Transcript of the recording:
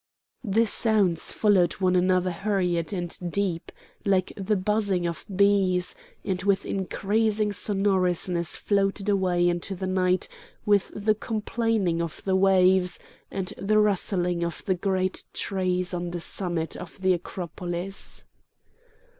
The sounds followed one another hurried and deep, like the buzzing of bees, and with increasing sonorousness floated away into the night with the complaining of the waves, and the rustling of the great trees on the summit of the Acropolis.